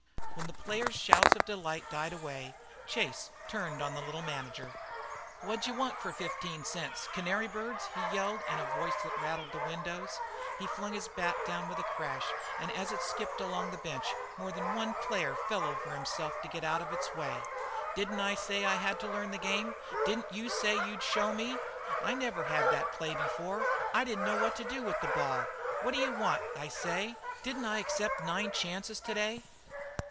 When the players' shout of delight died away, Chase turned on the little manager. "What d' you want for fifteen cents canary birds?" he yelled, in a voice that rattled the windows. He flung his bat down with a crash, and as it skipped along the bench more than one player fell over himself to get out of its way. "Didn't I say I had to learn the game? Didn't you say you'd show me? I never had that play before. I didn't know what to do with the ball. What d' you want, I say? Didn't I accept nine chances today?"